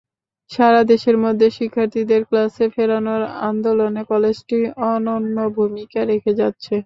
সারা দেশের মধ্যে শিক্ষার্থীদের ক্লাসে ফেরানোর আন্দোলনে কলেজটি অনন্য ভূমিকা রেখে যাচ্ছে।